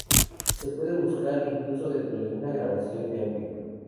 Se puede buscar incluso dentro de una grabación de audio.